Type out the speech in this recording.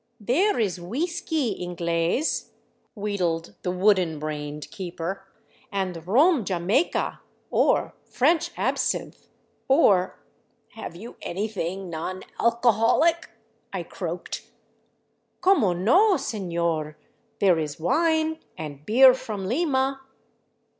"There is wheesky ingles," wheedled the wooden brained keeper, "and rhum Jamaica, or French absinthe, or ,.^" Have you anything non alcoholic? " I croaked " Como no, seiior ! There is wine, and beer from Lima